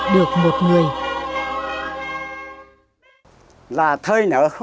được một người